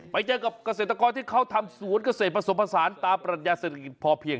ไปเจอกับเกษตรกรที่เขาทำสวนเกษตรผสมผสานตามปรัชญาเศรษฐกิจพอเพียง